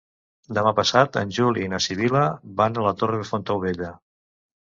Demà passat en Juli i na Sibil·la van a la Torre de Fontaubella.